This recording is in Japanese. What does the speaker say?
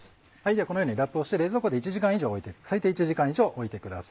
このようにラップをして冷蔵庫で１時間以上置いて最低１時間以上置いてください。